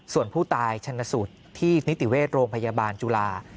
ส่วนผู้ตายชนสูตรที่นิติเวชโรงพยาบาลจุฬา